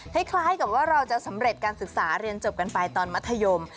คล้ายกับว่าเราจะสำเร็จการศึกษาเรียนจบกันไปตอนมัธยม